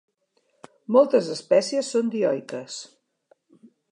Moltes espècies són dioiques.